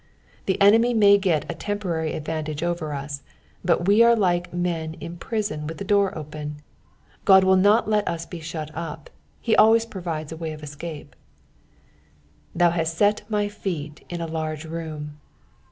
The enemy may get a temporary advantage over us, but we are like men in prison with the door open ; Ood will not let us be shut up, he always provides a way of escape. " T/um hatt tet my ^eet in a large room."